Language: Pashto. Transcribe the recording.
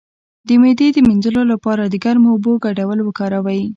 د معدې د مینځلو لپاره د ګرمو اوبو ګډول وکاروئ